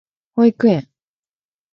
保育園